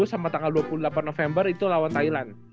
sama tanggal dua puluh delapan november itu lawan thailand